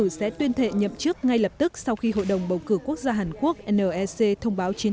hàn quốc tuyên thệ nhậm chức ngay lập tức sau khi hội đồng bầu cử quốc gia hàn quốc thông báo chiến